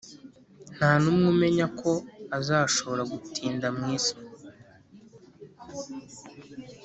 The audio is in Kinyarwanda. Ntanumwe umenya ko azashobora gutinda mu isi